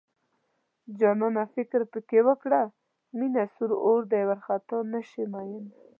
جانانه فکر پکې وکړه مينه سور اور دی وارخطا نشې مينه